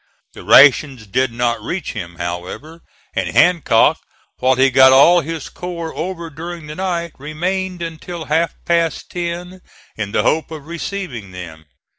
The rations did not reach him, however, and Hancock, while he got all his corps over during the night, remained until half past ten in the hope of receiving them.